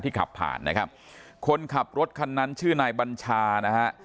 ขับผ่านนะครับคนขับรถคันนั้นชื่อนายบัญชานะฮะ